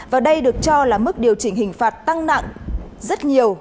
và đây được cho là mức điều chỉnh hình phạt tăng nặng rất nhiều